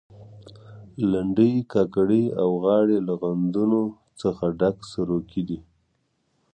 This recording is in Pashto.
لنډۍ، کاکړۍ او غاړې له غندنو څخه ډک سروکي دي.